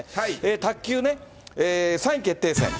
卓球ね、３位決定戦。